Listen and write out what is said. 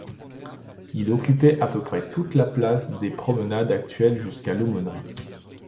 Il occupait à peu près toute la place des Promenades actuelle jusqu'à l'aumônerie.